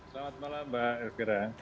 selamat malam mbak elvira